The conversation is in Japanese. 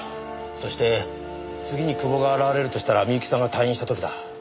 そして次に久保が現れるとしたら深雪さんが退院した時だ。